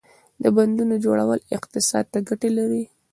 • د بندونو جوړول اقتصاد ته ګټه لري.